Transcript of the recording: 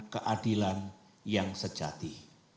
keadilan yang sejati